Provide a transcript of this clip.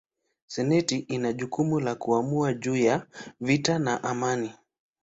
Senati ina jukumu la kuamua juu ya vita na amani.